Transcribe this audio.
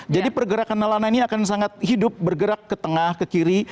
jadi pergerakan lana ini akan sangat hidup bergerak ke tengah ke kiri